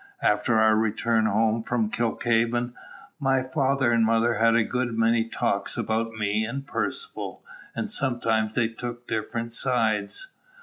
After our return home from Kilkhaven, my father and mother had a good many talks about me and Percivale, and sometimes they took different sides.